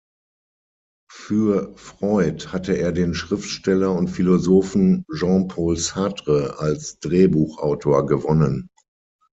Für "Freud" hatte er den Schriftsteller und Philosophen Jean-Paul Sartre als Drehbuchautor gewonnen.